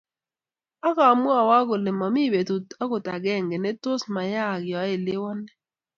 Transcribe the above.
Akamwowok kole momi betut akot agenge netos makasak yeoleweno